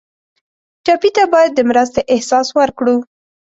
ټپي ته باید د مرستې احساس ورکړو.